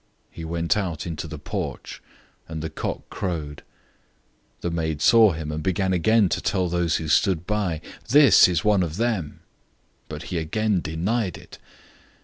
He went out on the porch, and the rooster crowed. 014:069 The maid saw him, and began again to tell those who stood by, "This is one of them." 014:070 But he again denied it.